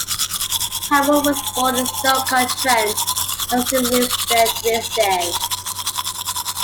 Harold was born in Stoke-on-Trent and still lives there to this day.